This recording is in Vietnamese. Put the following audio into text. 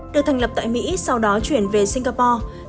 được thành lập tại mỹ sau đó chuyển về singapore